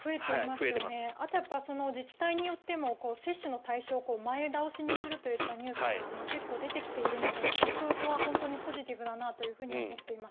あとは自治体によっても接種の対象を前倒しにするといったニュースが結構出てきているのでそこは本当にポジティブだなと思っています。